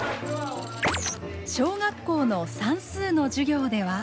小学校の算数の授業では。